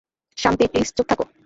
শান্তি প্লিজ, চুপ থাকো।